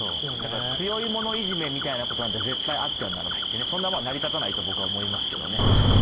強い者いじめみたいなことなんて絶対あってはならない、そんなものは成り立たないと僕は思いますけどね。